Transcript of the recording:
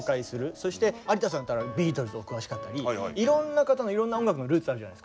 そして有田さんだったらビートルズお詳しかったりいろんな方のいろんな音楽のルーツあるじゃないですか。